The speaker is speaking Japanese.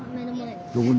どこに？